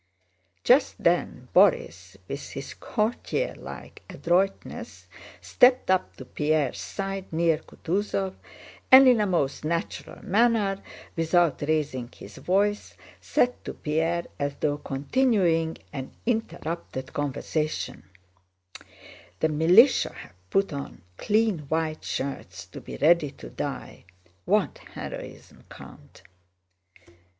Just then Borís, with his courtierlike adroitness, stepped up to Pierre's side near Kutúzov and in a most natural manner, without raising his voice, said to Pierre, as though continuing an interrupted conversation: "The militia have put on clean white shirts to be ready to die. What heroism, Count!"